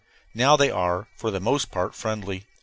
Now they are, for the most part, friendly.